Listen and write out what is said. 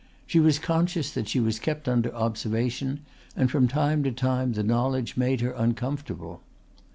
She was conscious that she was kept under observation and from time to time the knowledge made her uncomfortable.